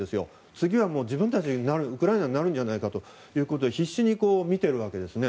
次は自分たちがウクライナになるんじゃないかということで必死に見ているわけです。